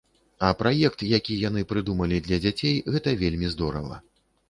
А праект, які яны прыдумалі для дзяцей, гэта вельмі здорава.